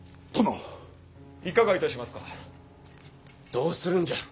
どうするんじゃ。